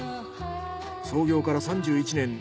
創業から３１年。